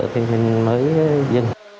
thì mình mới dừng